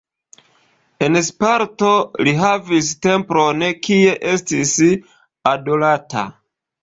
En Sparto li havis templon, kie estis adorata.